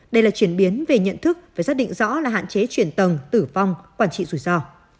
đây là chuyển biến về nhận thức phải xác định rõ là hạn chế chuyển tầng tử vong quản trị rủi ro